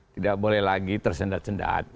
tidak boleh lagi tersendat sendat